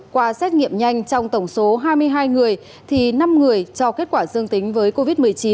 qua xét nghiệm nhanh trong tổng số hai mươi hai người thì năm người cho kết quả dương tính với covid một mươi chín